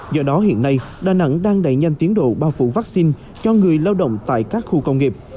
do đó hiện nay đà nẵng đang đẩy nhanh tiến độ bao phủ vaccine cho người lao động tại các khu công nghiệp